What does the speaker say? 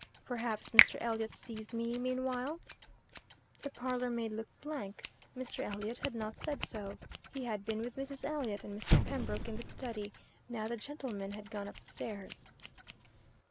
"Perhaps Mr. Elliot sees me meanwhile?" The parlour maid looked blank. Mr. Elliot had not said so. He had been with Mrs. Elliot and Mr. Pembroke in the study. Now the gentlemen had gone upstairs.